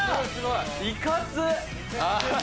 ・いかつっ！